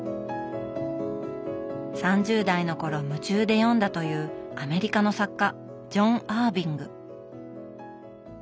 ３０代の頃夢中で読んだというアメリカの作家ジョン・アーヴィング。